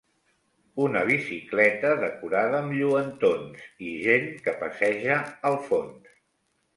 una bicicleta decorada amb lluentons i gent que passeja al fons